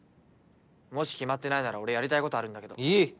もし決まってないなら俺やりたいことあるんだけどえっ？